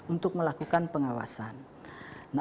untuk melakukan pengawasan